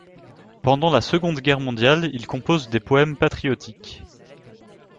Pendant la Seconde Guerre mondiale, il compose des poèmes patriotiques.